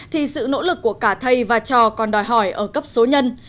thì sự nỗ lực của cả thầy và trò còn đòi hỏi ở cấp số nhân